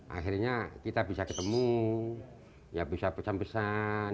akhirnya kita bisa ketemu ya bisa pesan pesan